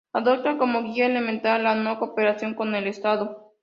Adopta como guía elemental la no cooperación con el Estado.